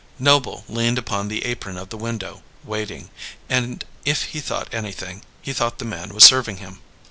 Noble leaned upon the apron of the window, waiting; and if he thought anything, he thought the man was serving him.